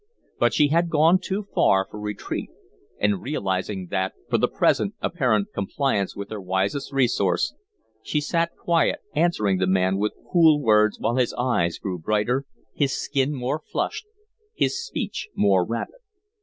But she had gone too far for retreat; and realizing that, for the present, apparent compliance was her wisest resource, she sat quiet, answering the man with cool words while his eyes grew brighter, his skin more flushed, his speech more rapid.